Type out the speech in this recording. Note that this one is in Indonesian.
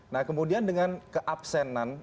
nah kemudian dengan keabsenan